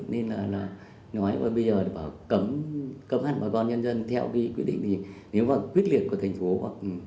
nên là nói bây giờ cấm hẳn bà con nhân dân theo quyết định nếu mà quyết liệt của thành phố